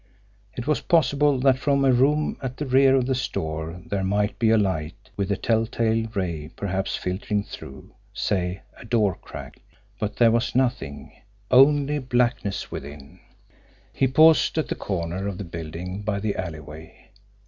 It was possible that from a room at the rear of the store there might be a light with a telltale ray perhaps filtering through, say, a door crack. But there was nothing only blackness within. He paused at the corner of the building by the alleyway.